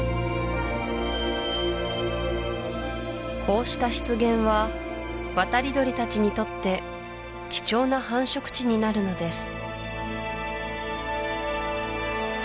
こうした湿原は渡り鳥たちにとって貴重な繁殖地になるのです